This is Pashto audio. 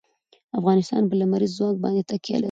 افغانستان په لمریز ځواک باندې تکیه لري.